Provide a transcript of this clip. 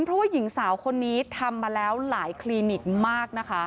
เพราะว่าหญิงสาวคนนี้ทำมาแล้วหลายคลินิกมากนะคะ